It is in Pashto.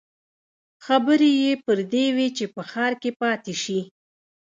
خبرې يې پر دې وې چې په ښار کې پاتې شي.